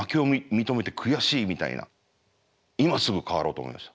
今すぐ変わろうと思いました。